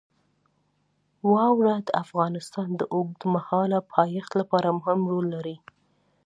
واوره د افغانستان د اوږدمهاله پایښت لپاره مهم رول لري.